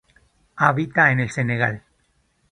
Habita en el Senegal.